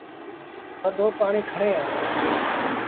ٿڌو پآڻيٚ کڻي آ۔